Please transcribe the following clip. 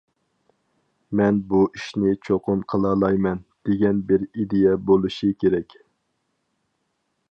مەن بۇ ئىشنى چوقۇم قىلالايمەن، دېگەن بىر ئىدىيە بولۇشى كېرەك.